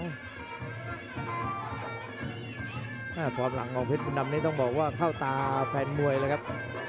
ความหลังของเพชรคุณดำนี้ต้องบอกว่าเข้าตาแฟนมวยเลยครับ